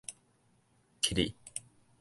起去